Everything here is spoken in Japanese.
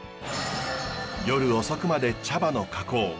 夜遅くまで茶葉の加工。